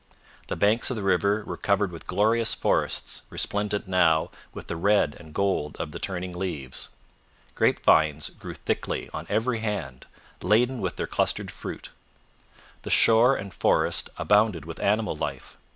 The banks of the river were covered with glorious forests resplendent now with the red and gold of the turning leaves. Grape vines grew thickly on every hand, laden with their clustered fruit. The shore and forest abounded with animal life.